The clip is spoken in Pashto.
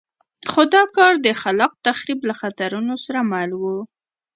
خو دا کار د خلاق تخریب له خطرونو سره مل وو.